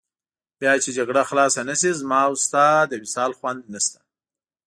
بیا چې جګړه خلاصه نه شي، زما او ستا د وصال خوند نشته.